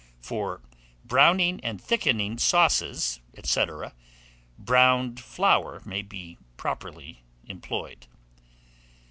For browning and thickening sauces, &c., browned flour may be properly employed.